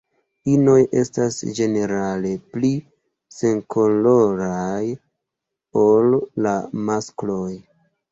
Inoj estas ĝenerale pli senkoloraj ol la maskloj.